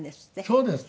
そうです。